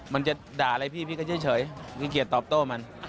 มันจะด่าอะไรพี่พี่ก็เฉยมีเกียจตอบโต้มัน